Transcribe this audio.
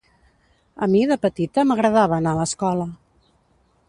A mi de petita m'agradava anar a l'escola.